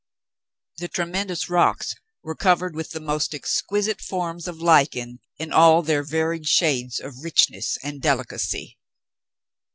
The tremendous rocks were covered with the most exquisite forms of lichen in all their varied shades of richness and delicacy.